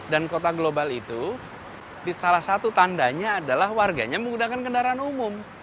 dan kota global itu salah satu tandanya adalah warganya menggunakan kendaraan umum